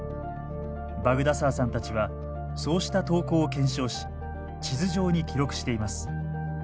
バグダサーさんたちはそうした投稿を検証し地図上に記録しています。